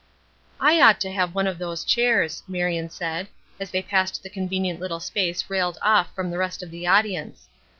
"I ought to have one of those chairs," Marion said, as they passed the convenient little space railed off from the rest of the audience.